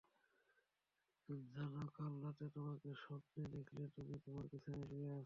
জানো কাল রাতে তোমাকে স্বপ্নে দেখলাম, তুমি তোমার বিছানায় শুয়ে আছো।